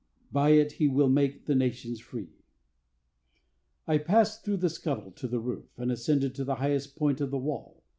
By it he will make the nations free. I passed through the scuttle to the roof, and ascended to the highest point of the wall.